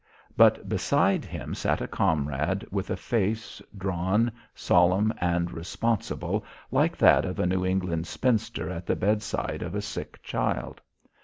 But beside him sat a comrade with a face drawn, solemn and responsible like that of a New England spinster at the bedside of a sick child.